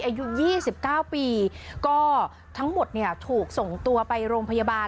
อายุ๒๙ปีก็ทั้งหมดเนี่ยถูกส่งตัวไปโรงพยาบาล